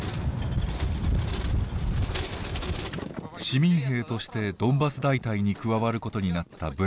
市民兵としてドンバス大隊に加わることになったブラッド。